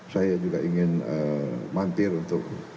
saya juga ingin mantir untuk